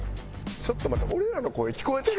ちょっと待って。